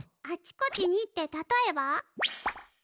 あっちこっちにってたとえば？